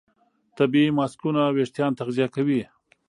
طبیعي ماسکونه وېښتيان تغذیه کوي.